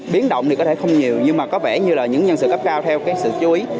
biến động thì có thể không nhiều nhưng mà có vẻ như là những nhân sự cấp cao theo cái sự chú ý